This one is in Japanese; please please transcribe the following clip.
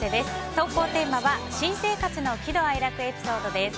投稿テーマは新生活の喜怒哀楽エピソードです。